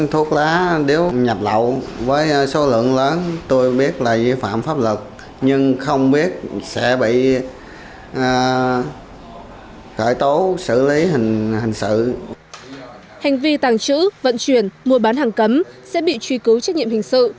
hành vi tàng trữ vận chuyển mua bán hàng cấm sẽ bị truy cứu trách nhiệm hình sự